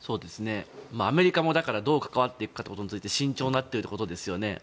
アメリカもどう関わっていくかということについて慎重になっているということですよね。